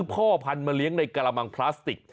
ต้องซื้อพ่อพันธ์มาเลี้ยงในกาลามังพลาสติก